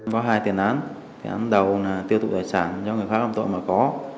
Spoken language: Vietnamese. có hai tiền án tiền án đầu là tiêu tụi đại sản cho người khác làm tội mà có